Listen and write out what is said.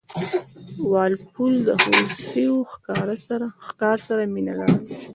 وال پول د هوسیو ښکار سره مینه لرله.